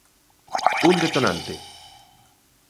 Un detonante.